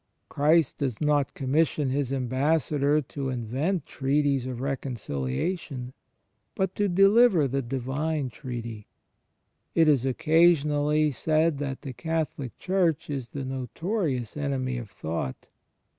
Christ does not commission his ambassador to invent treaties of reconciliation, but to deliver the Divine treaty. It is occasionally said that the Catholic Church is the notorious enemy of thought; that she ^ Mark zvi : 15. * Isaias lii : 7.